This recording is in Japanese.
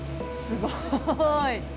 すごい。